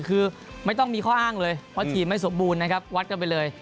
คือไม่ต้องมีข้ออ้างเลยเพราะทีมไม่สมบูรณ์นะครับวัดกันไปเลย